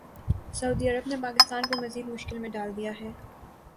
سعودی عرب نے پاکستان کو مزید مشکل میں ڈال دیا ہے